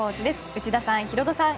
内田さん、ヒロドさん